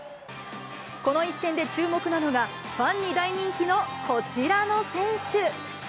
この一戦で注目なのが、ファンに大人気のこちらの選手。